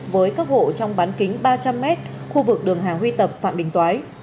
với các hộ trong bán kính ba trăm linh m khu vực đường hà huy tập phạm đình toái